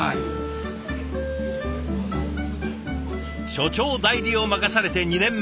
所長代理を任されて２年目。